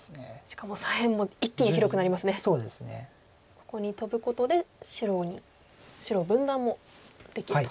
ここにトブことで白を分断もできると。